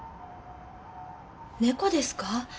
猫ですか？